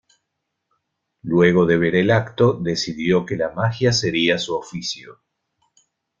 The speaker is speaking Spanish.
Luego de ver el acto, decidió que la magia sería su oficio.